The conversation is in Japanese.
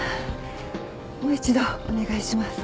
もう一度お願いします。